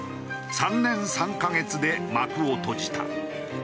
３年３カ月で幕を閉じた。